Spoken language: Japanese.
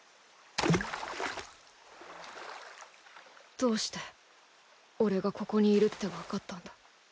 どうして俺がここにいるってわかったんだ？